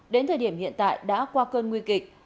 đến thời điểm hiện tại đã qua cơn nguy kịch